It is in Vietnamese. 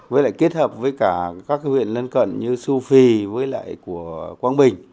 với lại kết hợp với các huyện lên cận như su phi quang bình